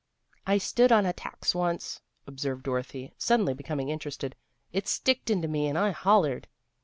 " I stood on a tacks once," observed Dorothy, suddenly becoming interested. " It sticked into me, and I hollered."